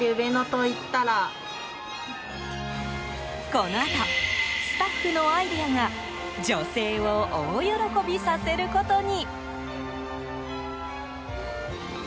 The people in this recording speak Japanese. このあとスタッフのアイデアが女性を大喜びさせることに。